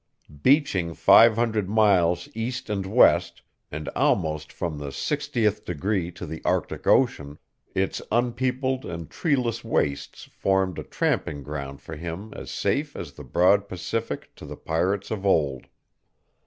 Beaching five hundred miles east and west, and almost from the Sixtieth degree to the Arctic Ocean, its un peopled and treeless wastes formed a tramping ground for him as safe as the broad Pacific to the pirates of old.